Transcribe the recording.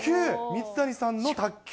水谷さんの卓球。